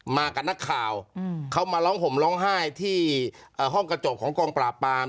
มากับนักข่าวเขามาร้องห่มร้องไห้ที่ห้องกระจกของกองปราบปาม